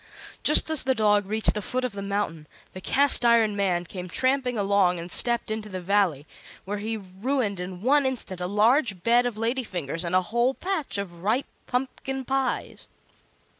Just as the dog reached the foot of the mountain the Cast iron Man came tramping along and stepped into the Valley, where he ruined in one instant a large bed of lady fingers and a whole patch of ripe pumpkin pies.